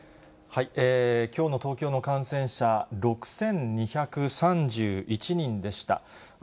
きょうの東京の感染者、６２３１人でした。